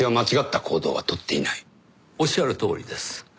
おっしゃるとおりです。